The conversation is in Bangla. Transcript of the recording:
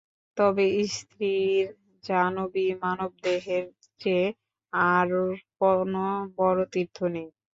তবে স্থির জানবি মানবদেহের চেয়ে আর কোন বড় তীর্থ নেই।